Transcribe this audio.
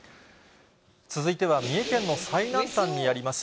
続いては、三重県の最南端にあります